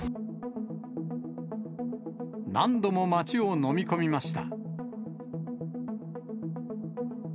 何度も街を飲み込みました。